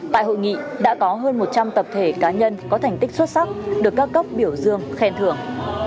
tại hội nghị đã có hơn một trăm linh tập thể cá nhân có thành tích xuất sắc được các cấp biểu dương khen thưởng